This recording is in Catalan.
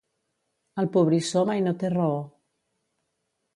El pobrissó mai no té raó.